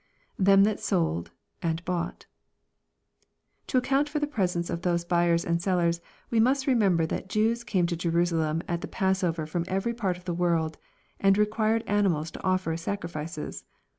[Them thai sold..,and boiight] To account for the presence of those buyers and sellers, we must remember that Jews came to Jerusalem at the passover from every part of the world, and re quired animals to offer as sacrifices.